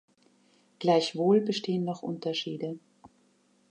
Gleichwohl bestehen noch Unterschiede.